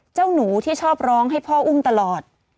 เจ้าหนูที่ชอบร้องให้พ่ออุ้มตลอด